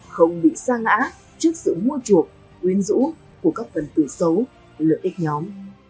không bị sa ngã trước sự mua chuộc nguyên rũ của các phần tử xấu lợi ích nhóm